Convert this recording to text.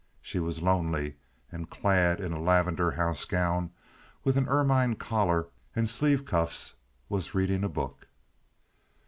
She was lonely, and, clad in a lavender housegown with an ermine collar and sleeve cuffs, was reading a book.